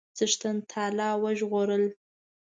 چښتن تعالی وژغورل.